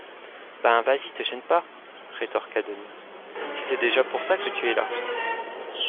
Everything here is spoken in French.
Ben, vas-y, te gêne pas, rétorqua Denis, c’est déjà pour ça que tu es là.